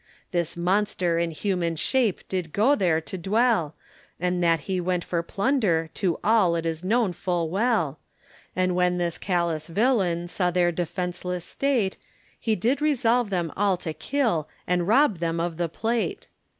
This monster in human shape did go there to dwell, And that he went for plunder to all it is known full well, And when this callous villain saw their defenceless state, He did resolve them all to kill and rob them of the plate.